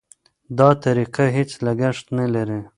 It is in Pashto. دا طریقه هېڅ لګښت نه لري.